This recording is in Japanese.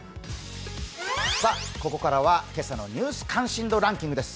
ここからは今朝の「ニュース関心度ランキング」です。